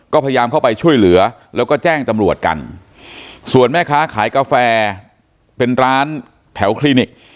ก็พยายามเข้าไปช่วยเหลือแล้วก็แจ้งตำรวจกันส่วนแม่ค้าขายกาแฟเป็นร้านแถวคลินิก